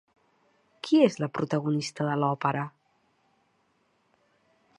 Qui és la protagonista de l'òpera?